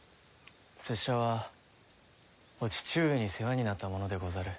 拙者はお父上に世話になった者でござる。